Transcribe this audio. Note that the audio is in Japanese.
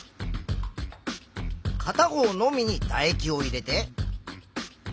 かた方のみにだ液を入れて。